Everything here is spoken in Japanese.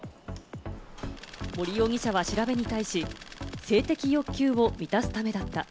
森容疑者は調べに対し、性的欲求を満たすためだった。